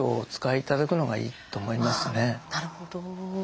なるほど。